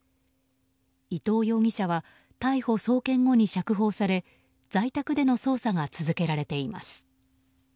伊藤容疑者は逮捕・送検後に釈放され在宅での捜査が続けられています。